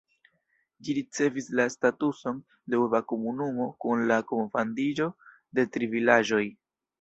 Ĝi ricevis la statuson de urba komunumo kun la kunfandiĝo de tri vilaĝoj.